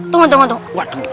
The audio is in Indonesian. tunggu tunggu tunggu